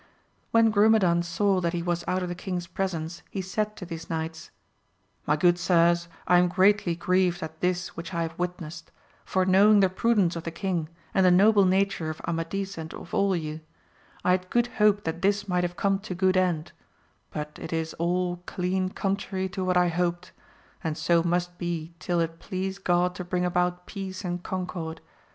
When Grumedan saw that he was out of the king's presence, he said to these knights, My good sirs, I am greatly grieved at this which I have witnessed, for knowing the prudence of the king and the noble nature of Amadis and of all ye, I had good hope that this might have come to good end ; but it is all clean contrary to what I hoped, and so must be till it please God to bring about peace and concord.